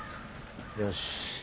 よし。